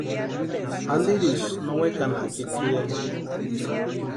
Antirisï no wekani jaki tʼireni.